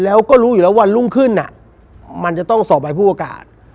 แล้วก็รู้อยู่แล้ววันรุ่งขึ้นมันจะต้องสอบใบผู้ประกาศ